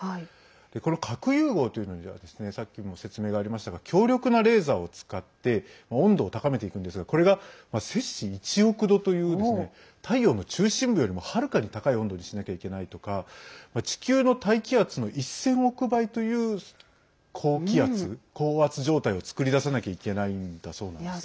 この核融合というのはさっきも説明がありましたが強力なレーザーを使って温度を高めていくんですがこれが摂氏１億度という太陽の中心部よりもはるかに高い温度にしなきゃいけないとか地球の大気圧の１０００億倍という高気圧、高圧状態を作り出さなきゃいけないんだそうなんですね。